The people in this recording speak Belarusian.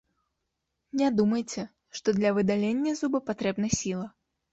Не думайце, што для выдалення зуба патрэбна сіла.